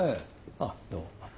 あっどうも。